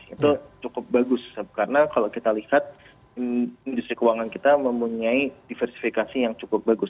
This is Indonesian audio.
itu cukup bagus karena kalau kita lihat industri keuangan kita mempunyai diversifikasi yang cukup bagus